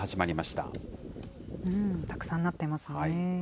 たくさんなってますね。